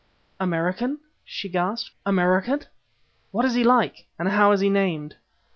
"American!" she gasped, "American! What is he like, and how is he named?"